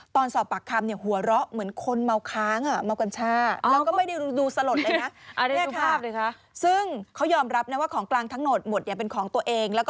ตอนสอบปากคำหัวเราะเหมือนคนเมาค้างเมากัญชา